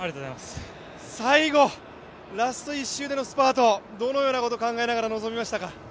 最後、ラスト一周でのスパートどのようなことを考えながら臨みましたか？